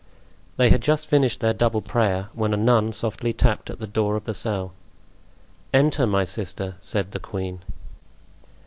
They had just finished their double prayer, when a nun softly tapped at the door of the cell. "Enter, my sister," said the queen.